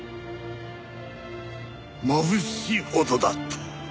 まぶしいほどだった。